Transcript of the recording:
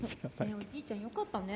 おじいちゃんよかったね。